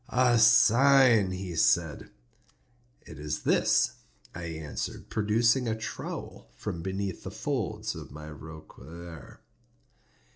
"A sign," he said. "It is this," I answered, producing a trowel from beneath the folds of my roquelaire.